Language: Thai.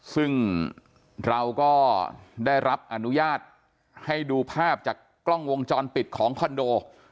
ซึ่งเราก็ได้รับอนุญาตให้ดูภาพจากกล้องวงจรปิดของคอนโด